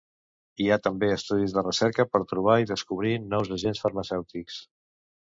Hi ha també estudis de recerca per trobar i descobrir nous agents farmacèutics.